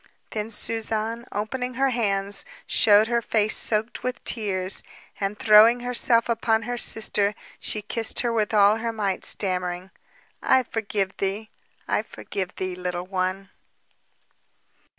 Then Suzanne, opening her hands, showed her face soaked with tears, and throwing herself upon her sister, she kissed her with all her might, stammering: "I forgive thee, I forgive thee, Little One."